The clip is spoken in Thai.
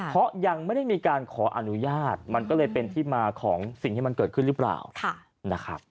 เพราะยังไม่ได้มีการขออนุญาตมันก็เลยเป็นที่มาของสิ่งที่มันเกิดขึ้นหรือเปล่านะครับ